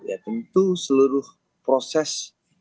ya tentu seluruh proses